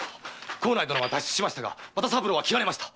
幸内殿は脱出しましたが又三郎は斬られました！